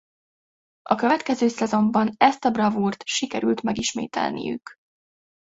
A következő szezonban ezt a bravúrt sikerült megismételniük.